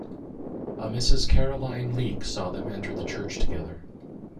A Mrs. Caroline Leak saw them enter the church together.